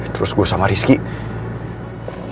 terus gue sama rizky